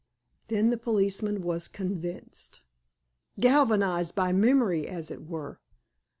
Then the policeman was convinced, galvanized by memory, as it were.